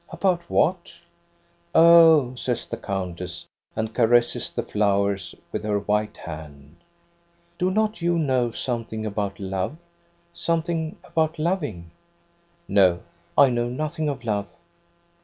"About what.?'' "Oh," says the countess, and caresses the flowers with her white hand. " Do not you know something about love, something about loving? "" No, I know nothing of love.